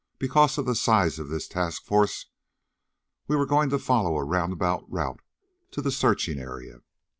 "Because of the size of this task force we were going to follow a roundabout route to the searching area.